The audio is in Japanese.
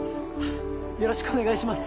よろしくお願いします。